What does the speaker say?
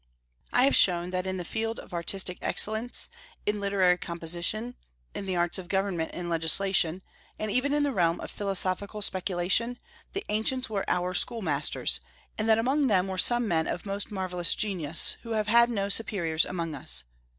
I have shown that in the field of artistic excellence, in literary composition, in the arts of government and legislation, and even in the realm of philosophical speculation, the ancients were our school masters, and that among them were some men of most marvellous genius, who have had no superiors among us.